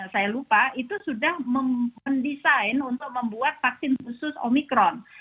saya lupa itu sudah mendesain untuk membuat vaksin khusus omikron